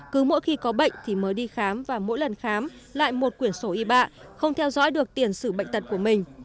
cứ mỗi khi có bệnh thì mới đi khám và mỗi lần khám lại một quyển sổ y bạ không theo dõi được tiền xử bệnh tật của mình